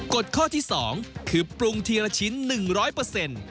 กฎข้อที่๒คือปรุงทีละชิ้น๑๐๐